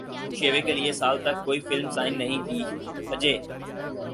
شیوے کیلئے سال تک کوئی فلم سائن نہیں کی اجے